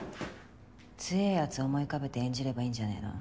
強ぇやつ思い浮かべて演じればいいんじゃねぇの？